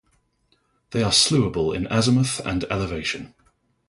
They are slewable in azimuth and elevation.